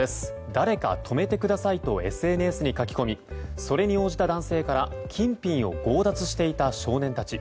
誰か泊めてくださいとＳＮＳに書き込みそれに応じた男性から金品を強奪していた少年たち。